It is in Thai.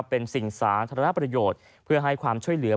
เป็นสิ่งสาธารณประโยชน์เพื่อให้ความช่วยเหลือ